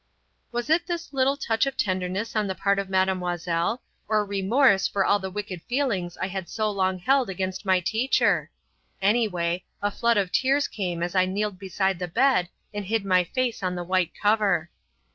Was it this little touch of tenderness on the part of Mademoiselle, or remorse for all the wicked feelings I had so long held against my teacher? Anyway, a flood of tears came as I kneeled beside the bed and hid my face on the white cover.